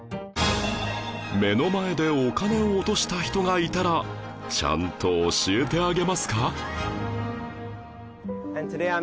目の前でお金を落とした人がいたらちゃんと教えてあげますか？